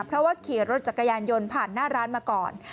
เพราะว่าขี่รถจักรยานยนต์ผ่านหน้าร้านมาก่อน